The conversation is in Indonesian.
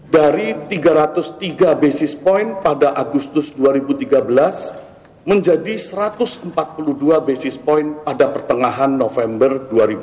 dari tiga ratus tiga basis point pada agustus dua ribu tiga belas menjadi satu ratus empat puluh dua basis point pada pertengahan november dua ribu dua puluh